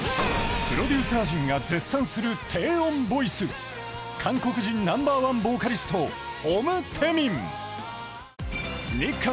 プロデューサー陣が絶賛する低音ボイス韓国人ナンバーワンボーカリスト日韓